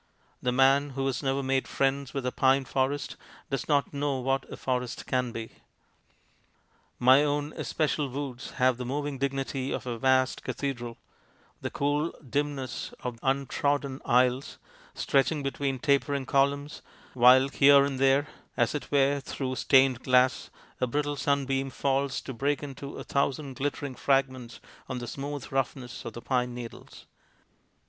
The man who has never made friends with a pine forest does not know what a forest 204 MONOLOGUES can be. My own especial woods have the moving dignity of a vast cathedral ; the cool dimness of untrodden aisles stretching between tapering columns, while here and there, as it were through stained glass, a brittle sunbeam falls to break into a thousand glittering fragments on the smooth rough ness of the pine needles.